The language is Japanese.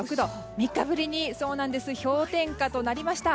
３日ぶりに氷点下となりました。